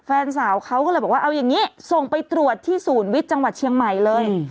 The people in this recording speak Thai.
แฟนสาวเขาก็เลยบอกว่าเอาอย่างนี้ส่งไปตรวจที่ศูนย์วิทย์จังหวัดเชียงใหม่เลย